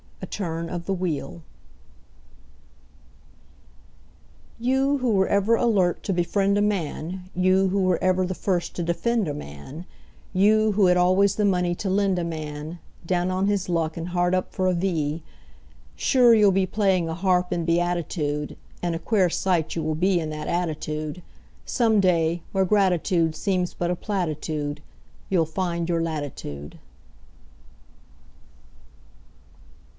A TURN OF THE WHEEL "You who were ever alert to befriend a man You who were ever the first to defend a man, You who had always the money to lend a man Down on his luck and hard up for a V, Sure you'll be playing a harp in beatitude (And a quare sight you will be in that attitude) Some day, where gratitude seems but a platitude, You'll find your latitude."